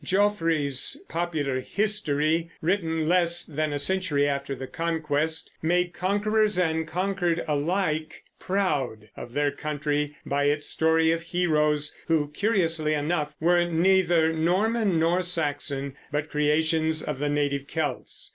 Geoffrey's popular History, written less than a century after the Conquest, made conquerors and conquered alike proud of their country by its stories of heroes who, curiously enough, were neither Norman nor Saxon, but creations of the native Celts.